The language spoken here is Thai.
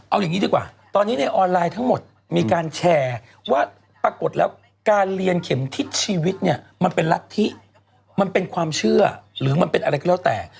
เอาอย่างนี้ดีกว่าตอนนี้ในออนไลน์ทั้งหมดมีการแชร์ว่าปรากฏแล้วการเรียนเข็มทิศชีวิตเนี่ยมันเป็นรัฐธิมันเป็นความเชื่อหรือมันเป็นอะไรก็แล้วแต่